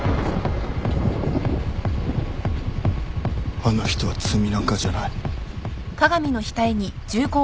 あの人は罪なんかじゃない。